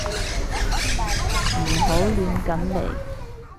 唔好亂咁嚟